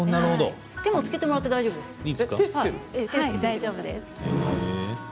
手もつけてもらって大丈夫です。